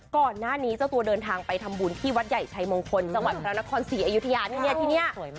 ก่อนหน้านี้เจ้าตัวเดินทางไปทำบุญที่วัดใหญ่ชัยมงคลจังหวัดพระนครศรีอยุธยาเนี่ยที่นี่